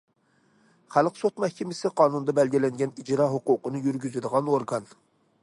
خەلق سوت مەھكىمىسى قانۇندا بەلگىلەنگەن ئىجرا ھوقۇقىنى يۈرگۈزىدىغان ئورگان.